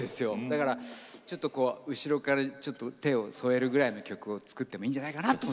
だからちょっとこう後ろから手を添えるぐらいの曲を作ってもいいんじゃないかなと。